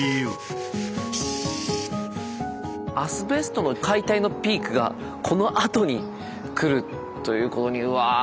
アスベストの解体のピークがこのあとに来るということにうわあ